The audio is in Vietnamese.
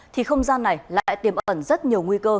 thì không gian này lại tiềm ẩn rất nhiều nguy cơ